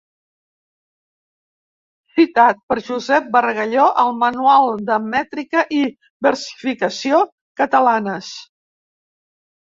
Citat per Josep bargalló al Manual de mètrica i versificació catalanes .